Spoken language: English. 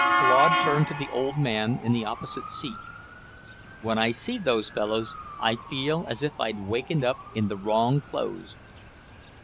Claude turned to the old man in the opposite seat. "When I see those fellows, I feel as if I'd wakened up in the wrong clothes."